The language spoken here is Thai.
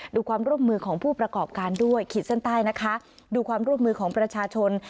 ดูความร่วมมือของผู้ประกอบการด้วยขีดเส้นใต้นะคะดูความร่วมมือของประชาชน